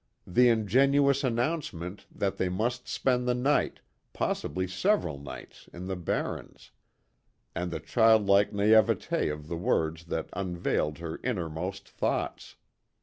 The ingenuous announcement that they must spend the night possibly several nights in the barrens. And the childlike naïvete of the words that unveiled her innermost thoughts.